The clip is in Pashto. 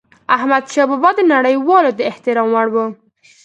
احمدشاه بابا د نړيوالو د احترام وړ و.